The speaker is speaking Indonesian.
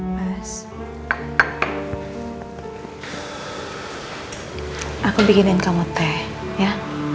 mas aku bikinin kamu teh ya